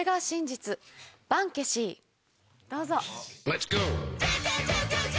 どうぞ。